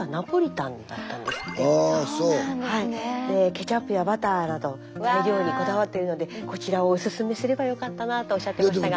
ケチャップやバターなど材料にこだわっているのでこちらをオススメすればよかったなとおっしゃってましたが。